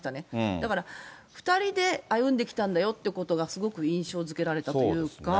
だから、２人で歩んできたんだよっていうことがすごく印象づけられたというか。